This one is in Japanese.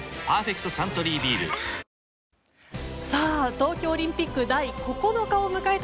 東京オリンピック第９日を迎えた